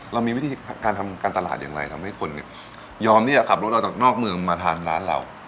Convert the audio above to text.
เรามีวิธีการทำการตลาดอย่างไรทำให้คนยอมที่จะขับรถออกจากนอกเมืองมาทานร้านเรา